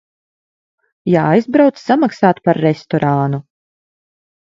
Jāaizbrauc samaksāt par restorānu.